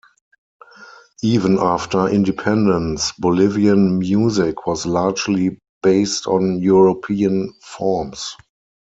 Even after independence, Bolivian music was largely based on European forms.